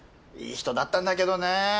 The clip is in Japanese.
いい人だったんだけどね。